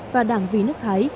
và đảng vì nước thái